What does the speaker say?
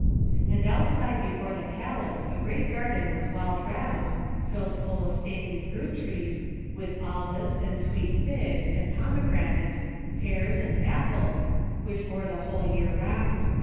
And outside before the palace a great garden was walled round, filled full of stately fruit trees, with olives and sweet figs, and pomegranates, pears, and apples, which bore the whole year round.